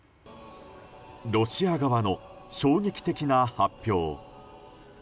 ロシア側の衝撃的な発表。